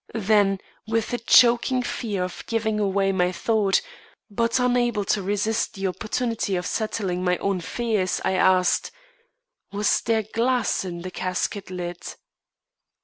Then, with a choking fear of giving away my thought, but unable to resist the opportunity of settling my own fears, I asked: "Was there glass in the casket lid?"